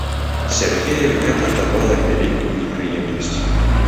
Сяргею гэта давала вялікую непрыемнасць.